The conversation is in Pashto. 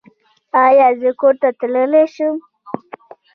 ایا زه کور ته تللی شم؟